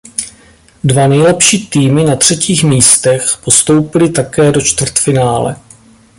Dva nejlepší týmy na třetích místech postoupily také do čtvrtfinále.